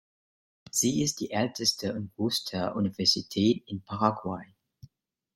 Sie ist die älteste und größte Universität in Paraguay.